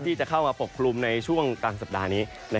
ที่จะเข้ามาปกคลุมในช่วงกลางสัปดาห์นี้